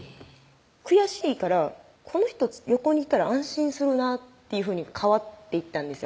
「悔しい」から「この人横にいたら安心するな」っていうふうに変わっていったんですよ